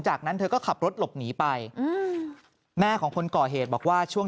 จากนั้นเธอก็ขับรถหลบหนีไปแม่ของคนก่อเหตุบอกว่าช่วง